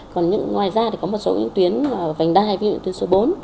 còn ngoài ra thì có một số tuyến vành đai tuyến số bốn